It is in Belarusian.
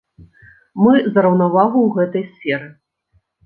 Мы за раўнавагу ў гэтай сферы.